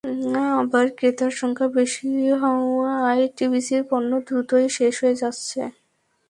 আবার ক্রেতার সংখ্যা বেশি হওয়ায় টিসিবির পণ্য দ্রুতই শেষ হয়ে যাচ্ছে।